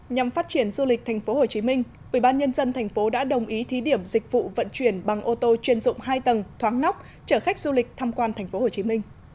nhằm phát triển du lịch tp hcm ubnd tp đã đồng ý thí điểm dịch vụ vận chuyển bằng ô tô chuyên dụng hai tầng thoáng nóc chở khách du lịch tham quan tp hcm